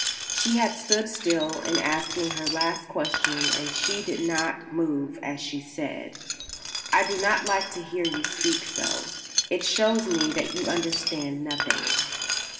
She had stood still in asking her last question and she still did not move as she said: "I do not like to hear you speak so. It shows me that you understand nothing."